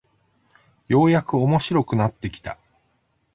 ようやく面白くなってきた